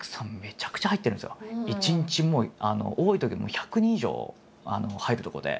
１日もう多いときはもう１００人以上入るとこで。